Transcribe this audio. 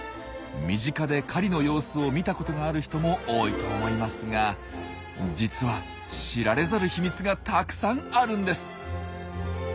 身近で狩りの様子を見たことがある人も多いと思いますが実は知られざる秘密がたくさんあるんです。